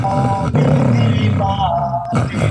نغمې نسته د بلبلو کوکو نسته د کوترو